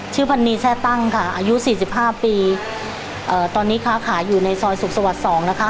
พันนีแช่ตั้งค่ะอายุสี่สิบห้าปีตอนนี้ค้าขายอยู่ในซอยสุขสวรรค์๒นะคะ